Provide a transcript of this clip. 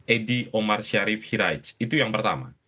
edi omar syarif hiraij itu yang pertama